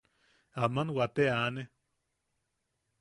Aman wate aane.